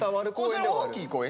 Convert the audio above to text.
それ大きい公園？